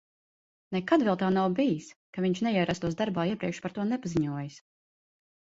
Nekad vēl tā nav bijis, ka viņš neierastos darbā, iepriekš par to nepaziņojis.